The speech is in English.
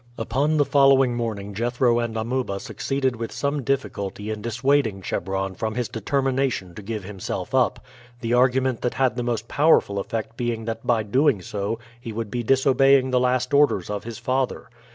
Upon the following morning Jethro and Amuba succeeded with some difficulty in dissuading Chebron from his determination to give himself up, the argument that had the most powerful effect being that by so doing he would be disobeying the last orders of his father.